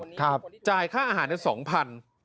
เดือน๒เดือนก่อนจ่ายค่าอาหารละ๒๐๐๐